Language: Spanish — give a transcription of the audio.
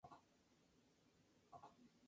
La cabecera es Ejutla de Crespo.